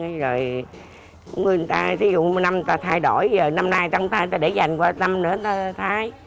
thí dụ năm người ta thay đổi năm nay người ta không thay để dành qua năm nữa người ta thay